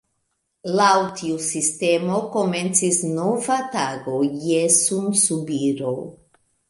Laŭ tiu sistemo komencis nova tago je sunsubiro.